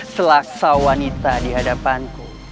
selaksa wanita di hadapanku